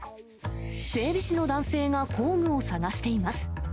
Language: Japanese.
整備士の男性が工具を探しています。